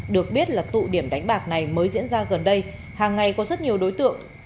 được biết là tụ điểm đánh bạc này mới diễn ra gần đây hàng ngày có rất nhiều đối tượng